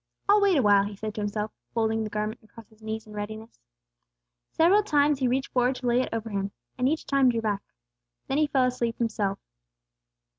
"I'll wait awhile," he said to himself, folding the garment across his knees in readiness. Several times he reached forward to lay it over Him, and each time drew back. Then he fell asleep himself.